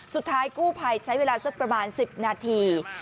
สุดท้ายกู้ภัยใช้เวลาสักประมาณ๑๐นาที